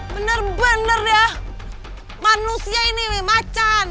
bener bener ya manusia ini macan